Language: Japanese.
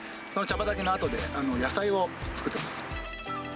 畑の跡で野菜を作ってます。